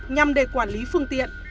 nhằm để quản lý phương tiện